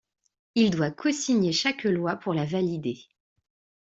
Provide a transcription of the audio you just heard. Il doit cosigner chaque loi pour la valider.